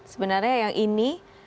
sebenarnya yang ini